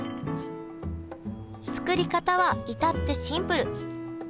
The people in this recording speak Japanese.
作り方は至ってシンプル！